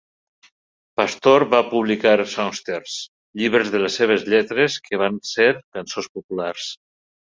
Pastor va publicar "songsters", llibres de les seves lletres que van ser cançons populars.